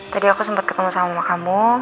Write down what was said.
tadi aku sempet ketemu sama mama kamu